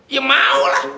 ya mau lah